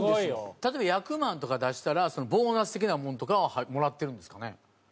例えば役満とか出したらボーナス的なもんとかはもらってるんですかね？